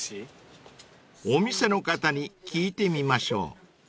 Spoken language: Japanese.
［お店の方に聞いてみましょう］